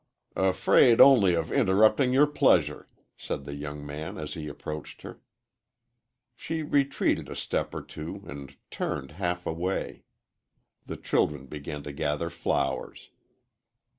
"Afraid only of interrupting your pleasure," said the young man as he approached her. She retreated a step or two and turned half away. The children began to gather flowers.